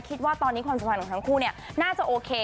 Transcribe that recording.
คิดว่าตอนนี้ความสำหรับของทั้งคู่เนี่ยน่าจะโอเค